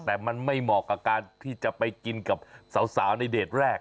แต่มันไม่เหมาะกับการที่จะไปกินกับสาวในเดทแรก